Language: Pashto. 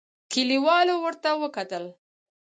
کليوالو ورته وکتل.